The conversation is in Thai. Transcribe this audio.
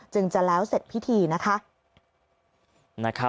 จึงจะแล้วเสร็จพิธีนะคะ